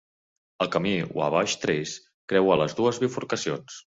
El camí Wabash Trace creua les dues bifurcacions.